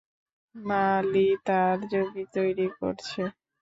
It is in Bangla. মালী তার জমি তৈরী করছে।